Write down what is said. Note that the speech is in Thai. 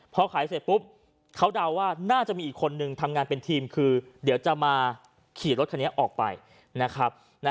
พอขายเสร็จปุ๊บเขาเดาว่าน่าจะมีอีกคนนึงทำงานเป็นทีมคือเดี๋ยวจะมาขี่รถคันนี้ออกไปนะครับ